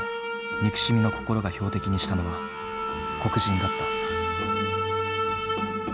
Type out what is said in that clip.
憎しみの心が標的にしたのは黒人だった。